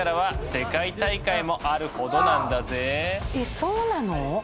えっそうなの？